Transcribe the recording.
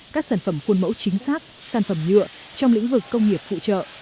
các sản phẩm khuôn mẫu chính xác sản phẩm nhựa trong lĩnh vực công nghiệp phụ trợ